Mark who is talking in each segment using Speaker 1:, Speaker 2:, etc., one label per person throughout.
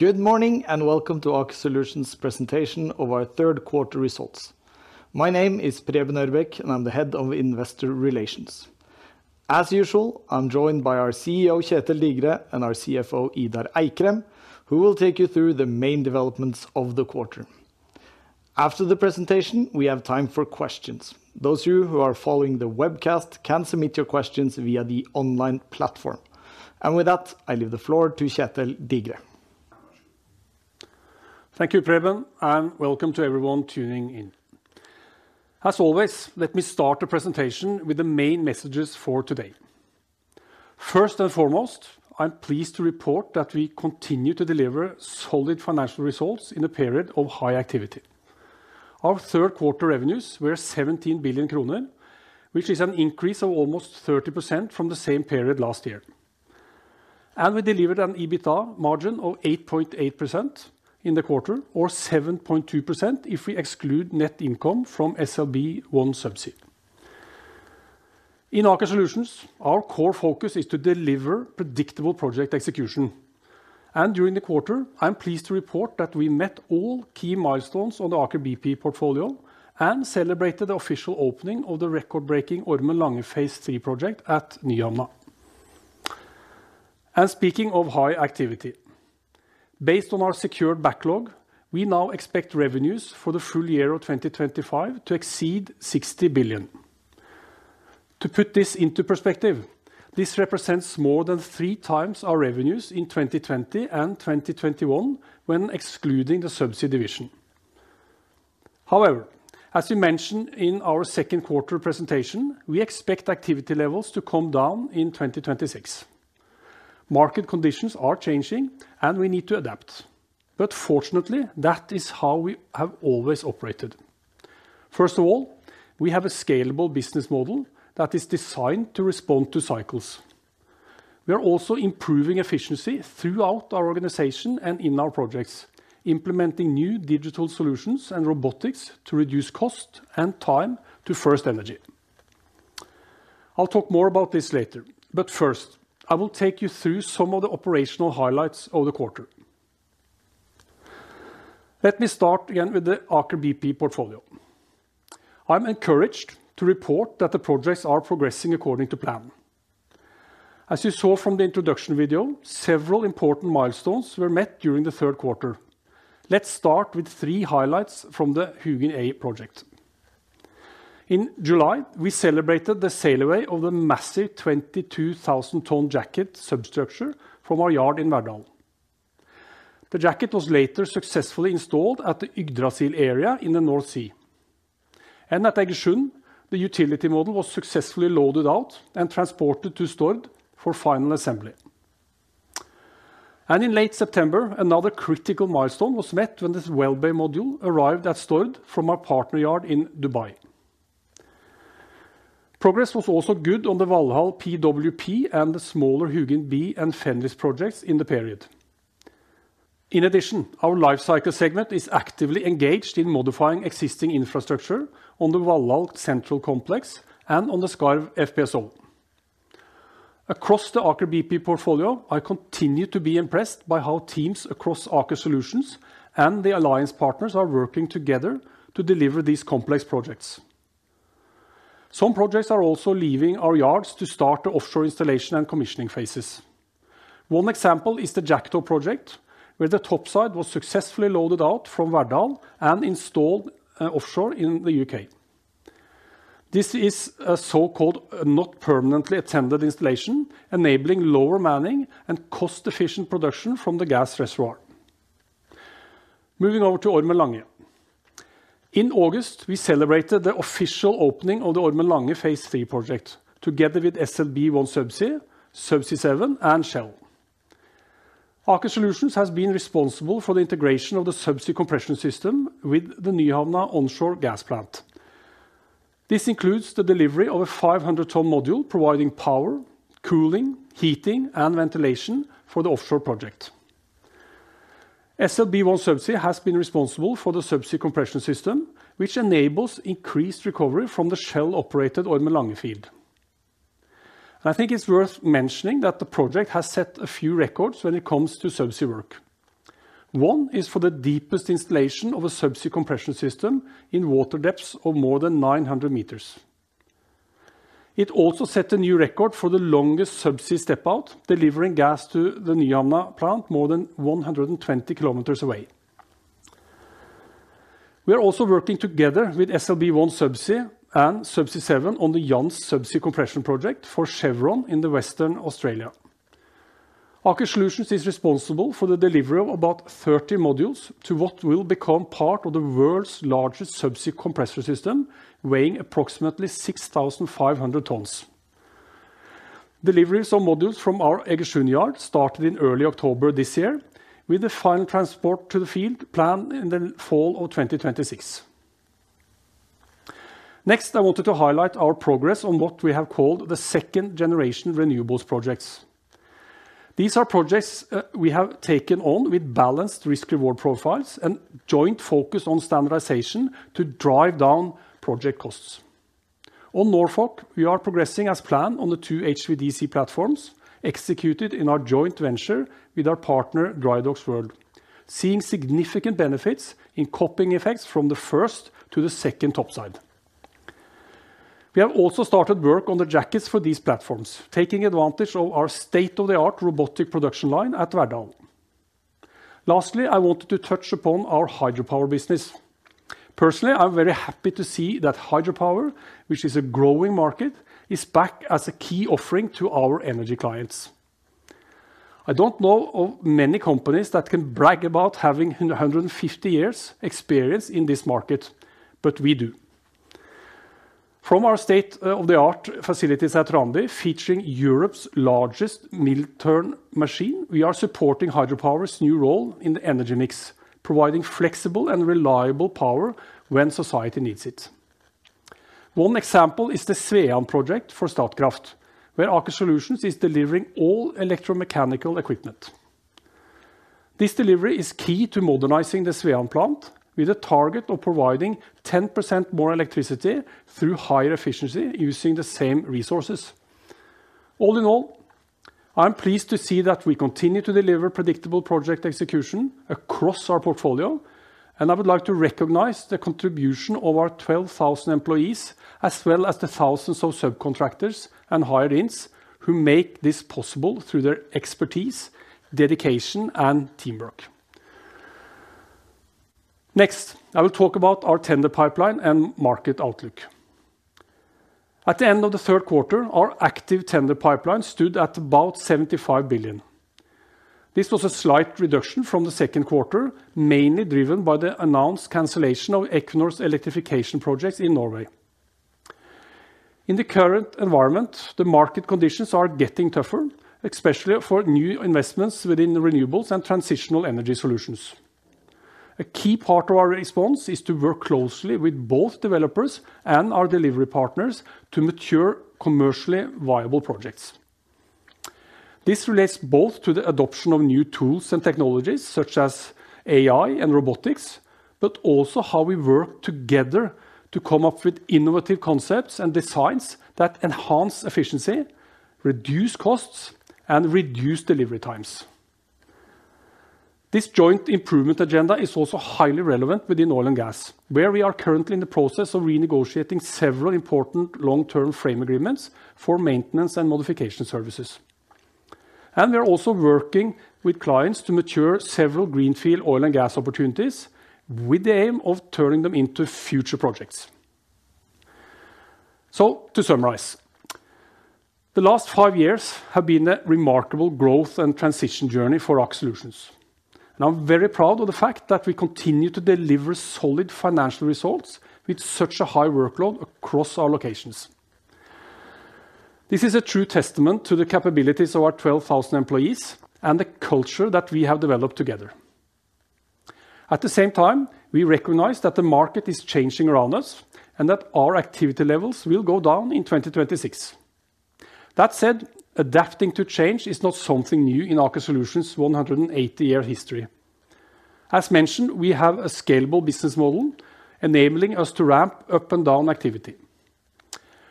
Speaker 1: Good morning and welcome to Aker Solutions' presentation of our third quarter results. My name is Preben Ørbeck, and I'm the Head of Investor Relations. As usual, I'm joined by our CEO, Kjetel Digre, and our CFO, Idar Eikrem, who will take you through the main developments of the quarter. After the presentation, we have time for questions. Those of you who are following the webcast can submit your questions via the online platform. With that, I leave the floor to Kjetel Digre.
Speaker 2: Thank you, Preben, and welcome to everyone tuning in. As always, let me start the presentation with the main messages for today. First and foremost, I'm pleased to report that we continue to deliver solid financial results in a period of high activity. Our third quarter revenues were 17 billion kroner, which is an increase of almost 30% from the same period last year. We delivered an EBITDA margin of 8.8% in the quarter, or 7.2% if we exclude net income from SLB OneSubsea. In Aker Solutions, our core focus is to deliver predictable project execution. During the quarter, I'm pleased to report that we met all key milestones on the Aker BP portfolio and celebrated the official opening of the record-breaking Ormen Lange Phase 3 project at Nyhamna. Speaking of high activity, based on our secured backlog, we now expect revenues for the full year of 2025 to exceed 60 billion. To put this into perspective, this represents more than three times our revenues in 2020 and 2021 when excluding the Subsea division. However, as we mentioned in our second quarter presentation, we expect activity levels to come down in 2026. Market conditions are changing, and we need to adapt. Fortunately, that is how we have always operated. First of all, we have a scalable business model that is designed to respond to cycles. We are also improving efficiency throughout our organization and in our projects, implementing new digital solutions and robotics to reduce cost and time to first energy. I'll talk more about this later, but first, I will take you through some of the operational highlights of the quarter. Let me start again with the Aker BP portfolio. I'm encouraged to report that the projects are progressing according to plan. As you saw from the introduction video, several important milestones were met during the third quarter. Let's start with three highlights from the Huginn Ei project. In July, we celebrated the sail away of the massive 22,000-tonne jacket substructure from our yard in Verdal. The jacket was later successfully installed at the Yggdrasil area in the North Sea. At Egersund, the utility module was successfully loaded out and transported to Stord for final assembly. In late September, another critical milestone was met when this well-bay module arrived at Stord from our partner yard in Dubai. Progress was also good on the Valhall PWP and the smaller Hugin B and Fenris projects in the period. In addition, our Life Cycle segment is actively engaged in modifying existing infrastructure on the Valhall central complex and on the Skarv FPSO. Across the Aker BP portfolio, I continue to be impressed by how teams across Aker Solutions and the Alliance partners are working together to deliver these complex projects. Some projects are also leaving our yards to start the offshore installation and commissioning phases. One example is the Jackdaw project, where the topside was successfully loaded out from Verdal and installed offshore in the U.K. This is a so-called not permanently attended installation, enabling lower manning and cost-efficient production from the gas reservoir. Moving over to Ormen Lange. In August, we celebrated the official opening of the Ormen Lange phase III project together with SLB OneSubsea, Subsea7, and Shell. Aker Solutions has been responsible for the integration of the subsea compression system with the Nyhamna onshore gas plant. This includes the delivery of a 500-tonne module providing power, cooling, heating, and ventilation for the offshore project. SLB OneSubsea has been responsible for the subsea compression system, which enables increased recovery from the Shell-operated Ormen Lange field. I think it's worth mentioning that the project has set a few records when it comes to subsea work. One is for the deepest installation of a subsea compression system in water depths of more than 900 meters. It also set a new record for the longest subsea step-out, delivering gas to the Nyhamna plant more than 120 km away. We are also working together with SLB OneSubsea and Subsea7 on the Jansz-Io subsea compression project for Chevron in Western Australia. Aker Solutions is responsible for the delivery of about 30 modules to what will become part of the world's largest subsea compressor system, weighing approximately 6,500 tons. Deliveries of modules from our Egersund yard started in early October this year, with the final transport to the field planned in the fall of 2026. Next, I wanted to highlight our progress on what we have called the second-generation renewables projects. These are projects we have taken on with balanced risk-reward profiles and a joint focus on standardization to drive down project costs. On Norfolk, we are progressing as planned on the two HVDC platforms executed in our joint venture with our partner Drydocks World, seeing significant benefits in copying effects from the first to the second topside. We have also started work on the jackets for these platforms, taking advantage of our state-of-the-art robotic production line at Verdal. Lastly, I wanted to touch upon our hydropower business. Personally, I'm very happy to see that hydropower, which is a growing market, is back as a key offering to our energy clients. I don't know of many companies that can brag about having 150 years' experience in this market, but we do. From our state-of-the-art facilities at Randi, featuring Europe's largest mill-turn machine, we are supporting hydropower's new role in the energy mix, providing flexible and reliable power when society needs it. One example is the Svean project for Statkraft, where Aker Solutions is delivering all electromechanical equipment. This delivery is key to modernizing the Svean plant, with a target of providing 10% more electricity through higher efficiency using the same resources. All in all, I'm pleased to see that we continue to deliver predictable project execution across our portfolio, and I would like to recognize the contribution of our 12,000 employees, as well as the thousands of subcontractors and hired ins who make this possible through their expertise, dedication, and teamwork. Next, I will talk about our tender pipeline and market outlook. At the end of the third quarter, our active tender pipeline stood at about 75 billion. This was a slight reduction from the second quarter, mainly driven by the announced cancellation of Equinor's electrification projects in Norway. In the current environment, the market conditions are getting tougher, especially for new investments within renewables and transitional energy solutions. A key part of our response is to work closely with both developers and our delivery partners to mature commercially viable projects. This relates both to the adoption of new tools and technologies such as AI and robotics, but also how we work together to come up with innovative concepts and designs that enhance efficiency, reduce costs, and reduce delivery times. This joint improvement agenda is also highly relevant within oil and gas, where we are currently in the process of renegotiating several important long-term frame agreements for maintenance and modification services. We are also working with clients to mature several greenfield oil and gas opportunities with the aim of turning them into future projects. To summarize. The last five years have been a remarkable growth and transition journey for Aker Solutions. I'm very proud of the fact that we continue to deliver solid financial results with such a high workload across our locations. This is a true testament to the capabilities of our 12,000 employees and the culture that we have developed together. At the same time, we recognize that the market is changing around us and that our activity levels will go down in 2026. That said, adapting to change is not something new in Aker Solutions' 180-year history. As mentioned, we have a scalable business model, enabling us to ramp up and down activity.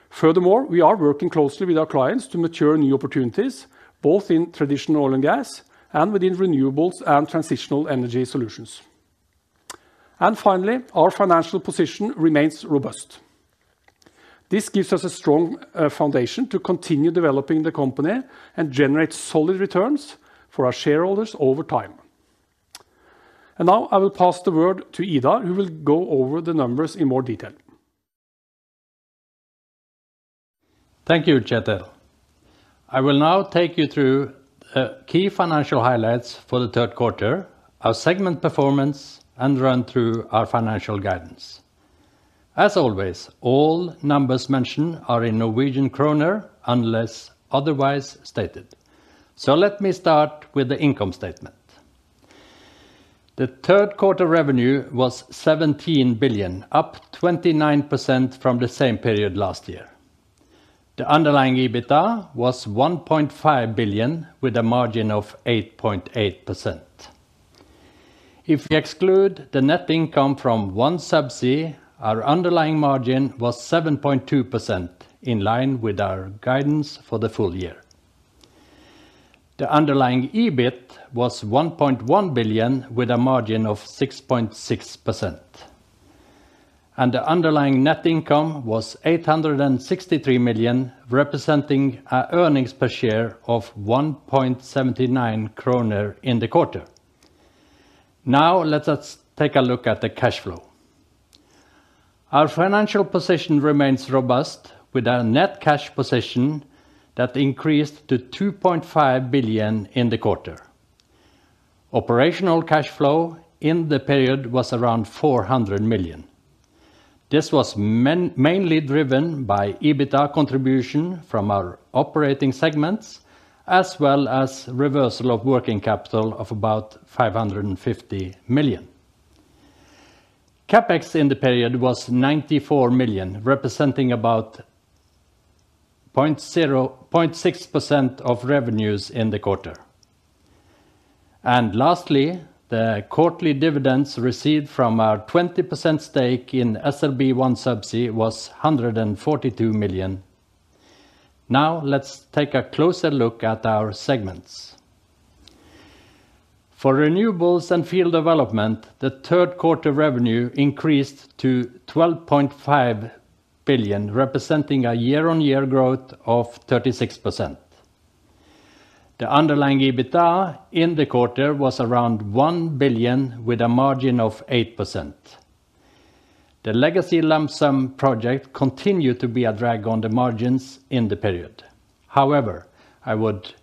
Speaker 2: Furthermore, we are working closely with our clients to mature new opportunities, both in traditional oil and gas and within renewables and transitional energy solutions. Finally, our financial position remains robust. This gives us a strong foundation to continue developing the company and generate solid returns for our shareholders over time. Now I will pass the word to Idar, who will go over the numbers in more detail.
Speaker 3: Thank you, Kjetel. I will now take you through the key financial highlights for the third quarter, our segment performance, and run through our financial guidance. As always, all numbers mentioned are in Norwegian kroner unless otherwise stated. Let me start with the income statement. The third quarter revenue was 17 billion, up 29% from the same period last year. The underlying EBITDA was 1.5 billion, with a margin of 8.8%. If we exclude the net income from OneSubsea, our underlying margin was 7.2%, in line with our guidance for the full year. The underlying EBIT was 1.1 billion, with a margin of 6.6%. The underlying net income was 863 million, representing an earnings per share of 1.79 kroner in the quarter. Now let's take a look at the cash flow. Our financial position remains robust, with our net cash position that increased to 2.5 billion in the quarter. Operational cash flow in the period was around 400 million. This was mainly driven by EBITDA contribution from our operating segments, as well as reversal of working capital of about 550 million. CapEx in the period was 94 million, representing about 0.6% of revenues in the quarter. Lastly, the quarterly dividends received from our 20% stake in SLB OneSubsea was 142 million. Now let's take a closer look at our segments. For Renewables and Field Development, the third quarter revenue increased to 12.5 billion, representing a year-on-year growth of 36%. The underlying EBITDA in the quarter was around 1 billion, with a margin of 8%. The legacy lump-sum project continued to be a drag on the margins in the period. However, I would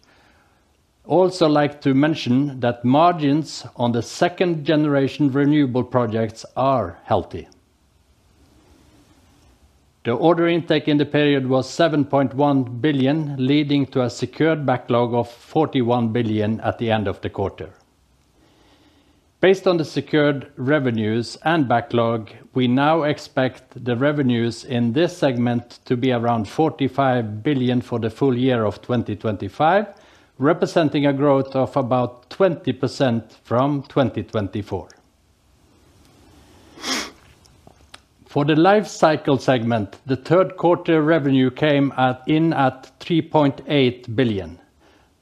Speaker 3: also like to mention that margins on the second-generation renewable projects are healthy. The order intake in the period was 7.1 billion, leading to a secured backlog of 41 billion at the end of the quarter. Based on the secured revenues and backlog, we now expect the revenues in this segment to be around 45 billion for the full year of 2025, representing a growth of about 20% from 2024. For the Life Cycle segment, the third quarter revenue came in at 3.8 billion.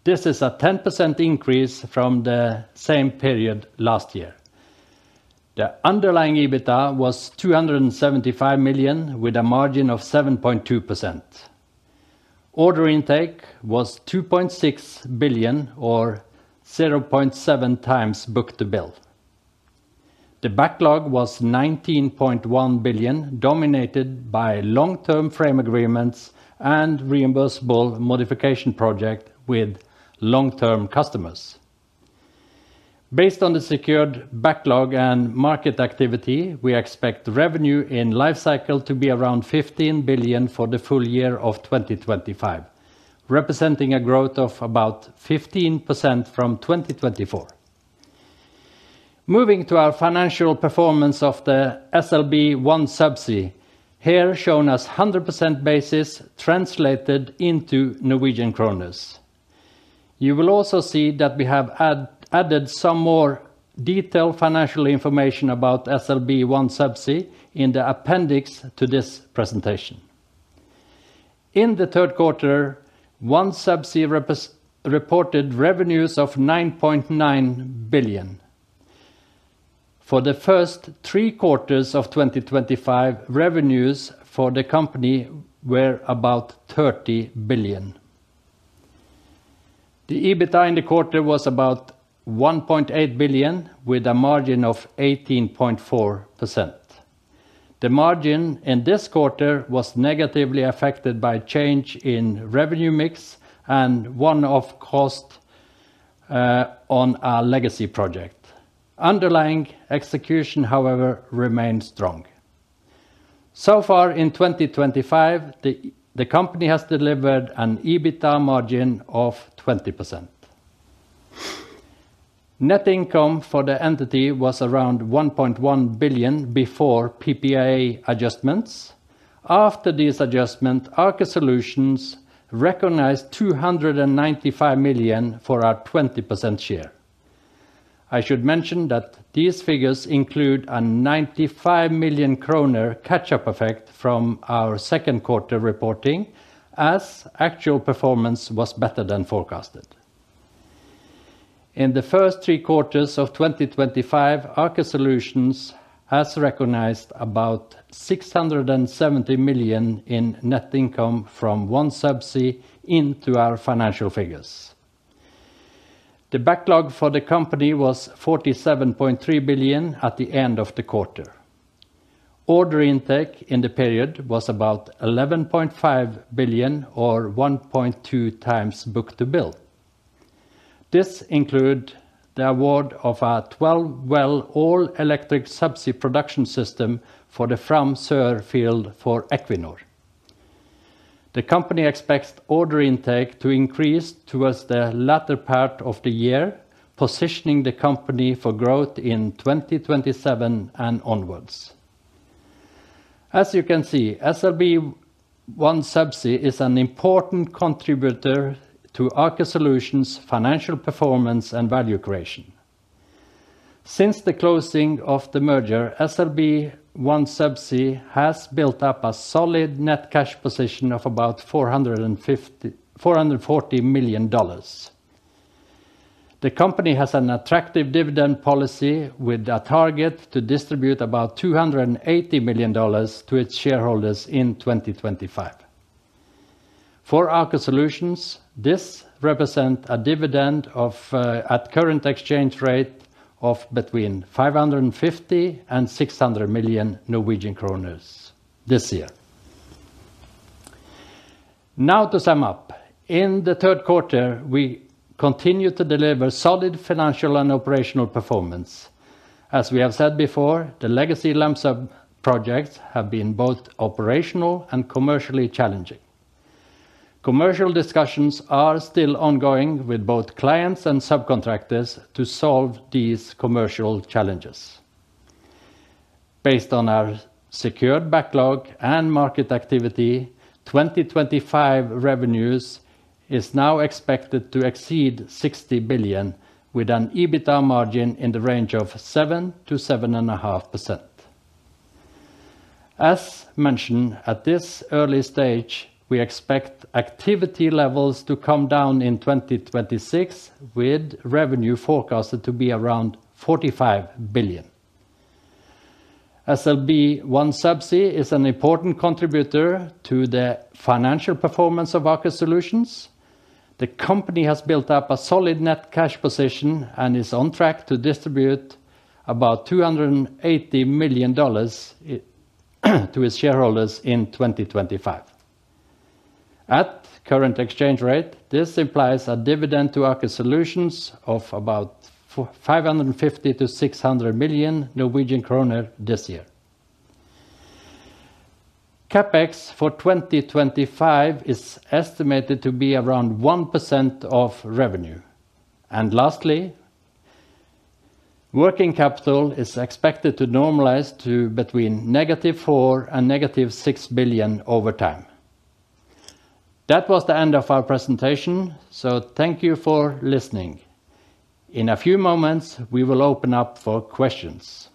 Speaker 3: This is a 10% increase from the same period last year. The underlying EBITDA was 275 million, with a margin of 7.2%. Order intake was 2.6 billion, or 0.7 times book to bill. The backlog was 19.1 billion, dominated by long-term frame agreements and reimbursable modification projects with long-term customers. Based on the secured backlog and market activity, we expect revenue in Life Cycle to be around 15 billion for the full year of 2025, representing a growth of about 15% from 2024. Moving to our financial performance of the SLB OneSubsea, here shown as 100% basis translated into Norwegian kroners. You will also see that we have added some more detailed financial information about SLB OneSubsea in the appendix to this presentation. In the third quarter, OneSubsea reported revenues of 9.9 billion. For the first three quarters of 2025, revenues for the company were about 30 billion. The EBITDA in the quarter was about 1.8 billion, with a margin of 18.4%. The margin in this quarter was negatively affected by change in revenue mix and one-off cost on our legacy project. Underlying execution, however, remained strong. So far in 2025, the company has delivered an EBITDA margin of 20%. Net income for the entity was around 1.1 billion before PPIA adjustments. After this adjustment, Aker Solutions recognized 295 million for our 20% share. I should mention that these figures include a 95 million kroner catch-up effect from our second quarter reporting, as actual performance was better than forecasted. In the first three quarters of 2025, Aker Solutions has recognized about 670 million in net income from OneSubsea into our financial figures. The backlog for the company was 47.3 billion at the end of the quarter. Order intake in the period was about 11.5 billion, or 1.2 times book to bill. This includes the award of a 12-well all-electric subsea production system for the Fram Sør field for Equinor. The company expects order intake to increase towards the latter part of the year, positioning the company for growth in 2027 and onwards. As you can see, SLB OneSubsea is an important contributor to Aker Solutions' financial performance and value creation. Since the closing of the merger, SLB OneSubsea has built up a solid net cash position of about $440 million. The company has an attractive dividend policy, with a target to distribute about $280 million to its shareholders in 2025. For Aker Solutions, this represents a dividend at current exchange rate of between 550 million and 600 million Norwegian kroner this year. Now to sum up, in the third quarter, we continue to deliver solid financial and operational performance. As we have said before, the legacy lump-sum projects have been both operational and commercially challenging. Commercial discussions are still ongoing with both clients and subcontractors to solve these commercial challenges. Based on our secured backlog and market activity, 2025 revenues are now expected to exceed 60 billion, with an EBITDA margin in the range of 7%-7.5%. As mentioned, at this early stage, we expect activity levels to come down in 2026, with revenue forecasted to be around 45 billion. SLB OneSubsea is an important contributor to the financial performance of Aker Solutions. The company has built up a solid net cash position and is on track to distribute about $280 million to its shareholders in 2025. At current exchange rate, this implies a dividend to Aker Solutions of about 550 million-600 million Norwegian kroner this year. CapEx for 2025 is estimated to be around 1% of revenue. Lastly, working capital is expected to normalize to between negative 4 billion and negative 6 billion over time. That was the end of our presentation, so thank you for listening. In a few moments, we will open up for questions.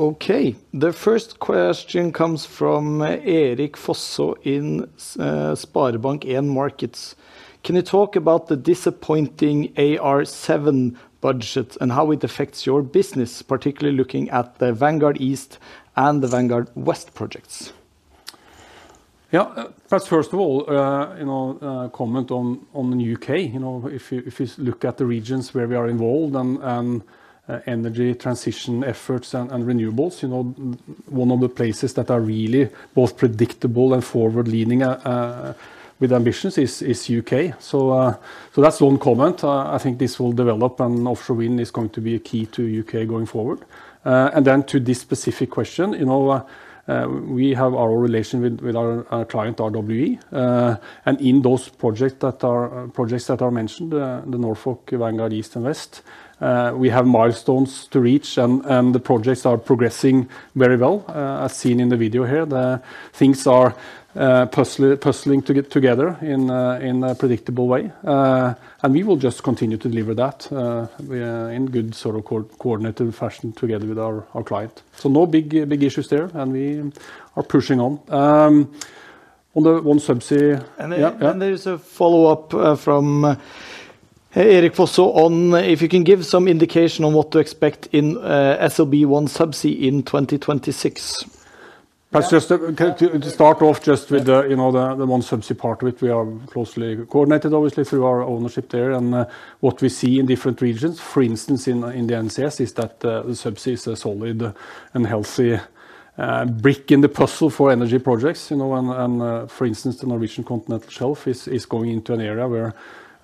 Speaker 2: The first question comes from Erik Fosso in Sparebank En Markets. Can you talk about the disappointing AR7 budget and how it affects your business, particularly looking at the Vanguard East and the Vanguard West projects? Yeah, that's first of all, you know, a comment on the U.K. You know, if you look at the regions where we are involved in energy transition efforts and renewables, you know, one of the places that are really both predictable and forward-leaning with ambitions is the U.K. That's one comment. I think this will develop, and Offshore Wind is going to be a key to the U.K. going forward. To this specific question, you know, we have our relation with our client, RWE. In those projects that are mentioned, the Norfolk HVDC platform projects, Vanguard East, and West, we have milestones to reach, and the projects are progressing very well, as seen in the video here. The things are puzzling together in a predictable way, and we will just continue to deliver that in good, sort of coordinated fashion together with our client. No big issues there, and we are pushing on the OneSubsea.
Speaker 3: There is a follow-up from Erik Fosso on if you can give some indication on what to expect in SLB OneSubsea in 2026. Just to start off, just with the OneSubsea part of it, we are closely coordinated, obviously, through our ownership there. What we see in different regions, for instance, in the NCS, is that the subsea is a solid and healthy brick in the puzzle for energy projects. For instance, the Norwegian continental shelf is going into an area where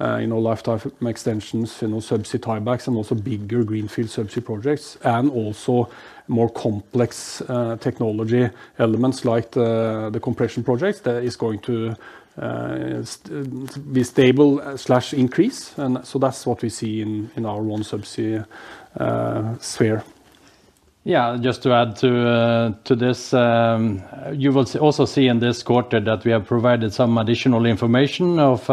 Speaker 3: lifetime extensions, subsea tiebacks, and also bigger greenfield subsea projects, and also more complex technology elements like the compression projects, that is going to be stable/increase. That's what we see in our OneSubsea sphere.
Speaker 1: Yeah, just to add to this, you will also see in this quarter that we have provided some additional information of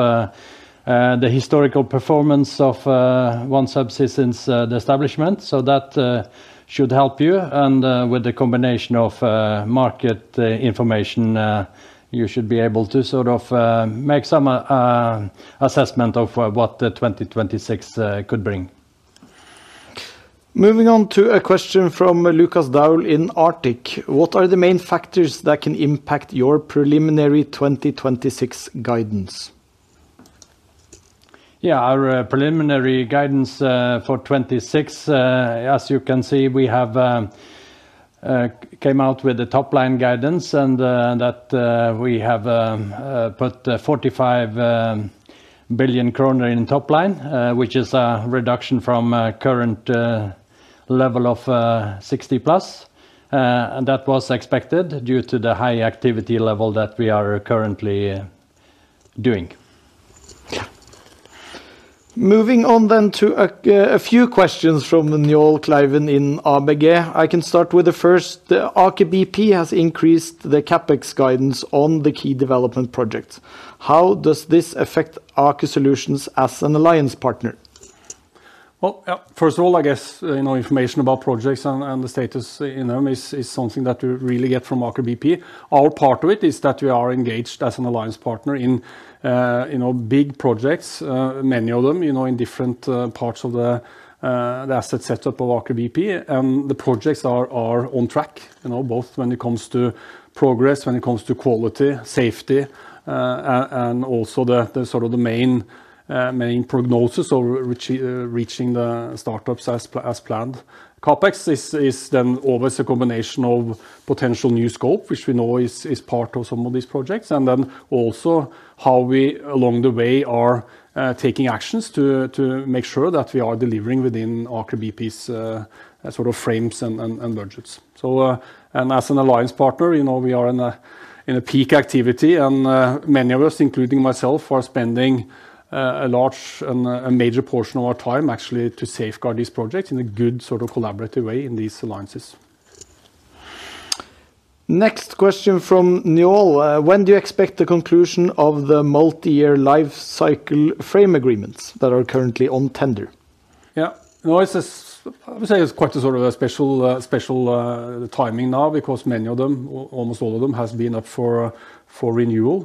Speaker 1: the historical performance of OneSubsea since the establishment. That should help you. With the combination of market information, you should be able to sort of make some assessment of what 2026 could bring.
Speaker 2: Moving on to a question from [Lukas Dahl] in Arctic. What are the main factors that can impact your preliminary 2026 guidance?
Speaker 1: Yeah, our preliminary guidance for 2026, as you can see, we have come out with a top-line guidance, and that we have put 45 billion kroner in top-line, which is a reduction from current level of 60 plus. That was expected due to the high activity level that we are currently doing.
Speaker 2: Moving on then to a few questions from Njål Kleiven in ABG. I can start with the first. Aker BP has increased the CapEx guidance on the key development projects. How does this affect Aker Solutions as an alliance partner?
Speaker 3: First of all, I guess information about projects and the status in them is something that you really get from Aker BP. Our part of it is that we are engaged as an alliance partner in big projects, many of them, in different parts of the asset setup of Aker BP. The projects are on track, both when it comes to progress, when it comes to quality, safety, and also the sort of main prognosis of reaching the startups as planned. CapEx is then always a combination of potential new scope, which we know is part of some of these projects, and also how we, along the way, are taking actions to make sure that we are delivering within Aker BP's sort of frames and budgets. As an alliance partner, we are in a peak activity, and many of us, including myself, are spending a large and a major portion of our time, actually, to safeguard these projects in a good sort of collaborative way in these alliances.
Speaker 2: Next question from Njål: When do you expect the conclusion of the multi-year life cycle frame agreements that are currently on tender? Yeah, I would say it's quite a sort of special timing now, because many of them, almost all of them, have been up for renewal.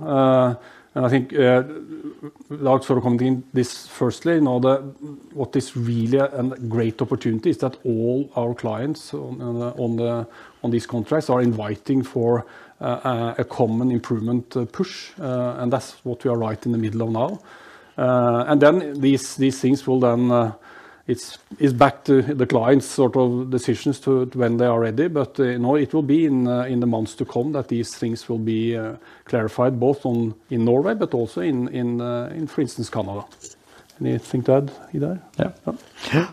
Speaker 2: I think that sort of coming in this, firstly, what is really a great opportunity is that all our clients on these contracts are inviting for a common improvement push. That's what we are right in the middle of now. These things will then, it's back to the client's sort of decisions to when they are ready. It will be in the months to come that these things will be clarified, both in Norway, but also in, for instance, Canada. Anything to add, Idar?
Speaker 3: Yeah.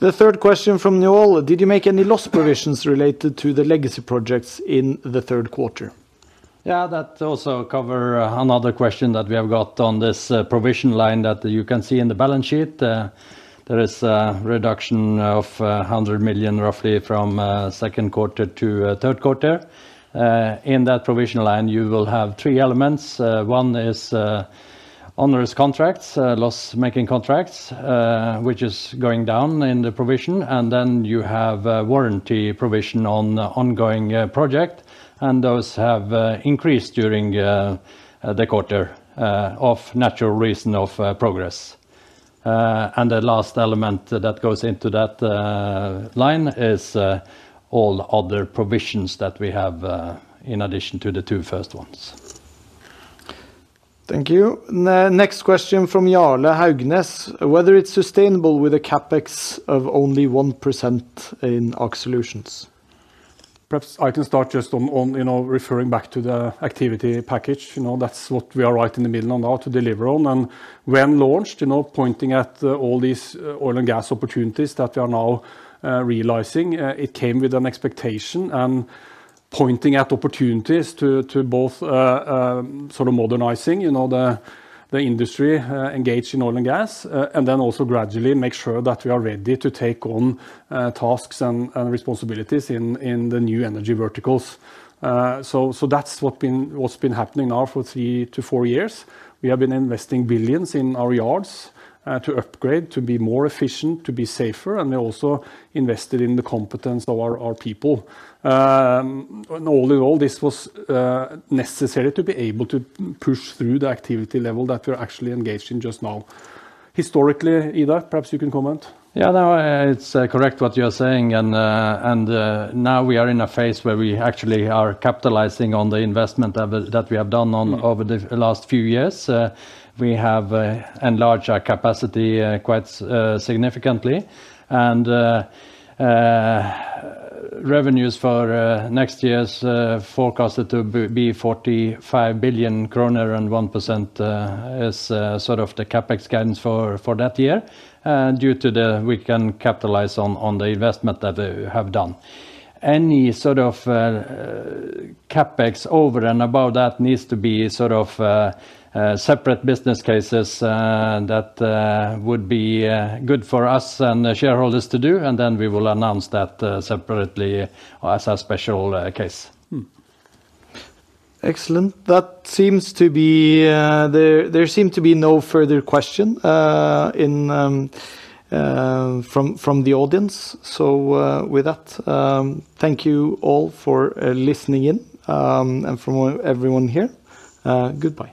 Speaker 2: The third question from Njål: Did you make any loss provisions related to the legacy projects in the third quarter?
Speaker 3: Yeah, that also covers another question that we have got on this provision line that you can see in the balance sheet. There is a reduction of $100 million, roughly, from second quarter to third quarter. In that provision line, you will have three elements. One is honorary contracts, loss-making contracts, which is going down in the provision. You have warranty provision on ongoing projects, and those have increased during the quarter of natural reason of progress. The last element that goes into that line is all other provisions that we have in addition to the two first ones. Thank you.
Speaker 2: Next question from Jarle Haugnes: Whether it's sustainable with a CapEx of only 1% in Aker Solutions? Perhaps I can start just on referring back to the activity package. That's what we are right in the middle of now to deliver on. When launched, pointing at all these oil and gas opportunities that we are now realizing, it came with an expectation and pointing at opportunities to both sort of modernizing the industry engaged in oil and gas, and then also gradually make sure that we are ready to take on tasks and responsibilities in the new energy verticals. That's what's been happening now for three to four years. We have been investing billions in our yards to upgrade, to be more efficient, to be safer. We also invested in the competence of our people. All in all, this was necessary to be able to push through the activity level that we're actually engaged in just now. Historically, Idar, perhaps you can comment?
Speaker 3: Yeah, it's correct what you are saying. We are in a phase where we actually are capitalizing on the investment that we have done over the last few years. We have enlarged our capacity quite significantly. Revenues for next year are forecasted to be 45 billion kroner and 1% is sort of the CapEx guidance for that year, due to the fact we can capitalize on the investment that we have done. Any sort of CapEx over and above that needs to be sort of separate business cases that would be good for us and the shareholders to do. We will announce that separately as a special case.
Speaker 2: Excellent. There seem to be no further questions from the audience. With that, thank you all for listening in, and from everyone here, goodbye.